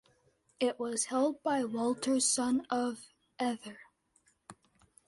It was held by Walter, son of Othere.